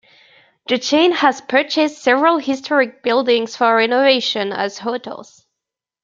The chain has purchased several historic buildings for renovation as hotels.